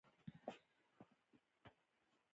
د خیالاتو لپاره کوم بوټي وکاروم؟